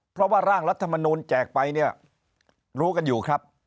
เพราะว่าร่างรัฐมนูลแจกไปเนี่ยรู้กันอยู่ครับ